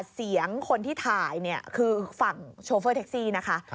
เสียงคนที่ถ่ายเนี่ยคือฝั่งโชเฟอร์แท็กซี่นะคะ